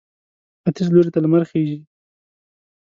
ختیځ لوري ته لمر خېژي.